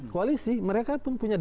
koalisi mereka pun punya